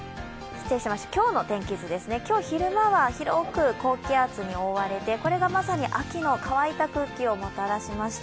今日、昼間は広く高気圧に覆われてこれがまさに秋の乾いた空気をもたらしました。